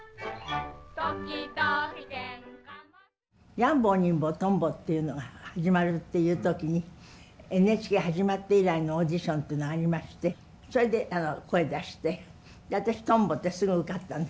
「やん坊にん坊とん坊」っていうのが始まるっていう時にＮＨＫ始まって以来のオーディションというのがありましてそれで声出して私とん坊ですぐ受かったんです。